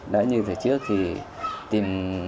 đấy như thời trước thì tìm tìm tìm tìm tìm tìm tìm tìm